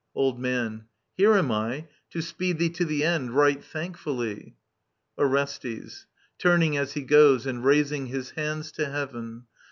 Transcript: Old Man. Here am I, To speed thee to the end, right thankfully. Orestes {turning as hi goes and raising his hands to heaven).